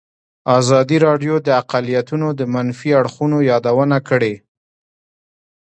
ازادي راډیو د اقلیتونه د منفي اړخونو یادونه کړې.